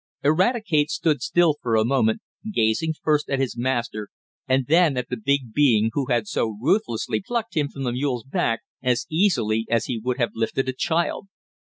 Eradicate stood still for a moment, gazing first at his master and then at the big being who had so ruthlessly plucked him from the mule's back, as easily as he would have lifted a child.